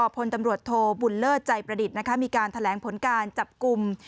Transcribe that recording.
พลตำรวจโทบุญเลิศใจประดิษฐ์มีการแถลงผลการจับกลุ่ม